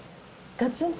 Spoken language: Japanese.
ガツンと。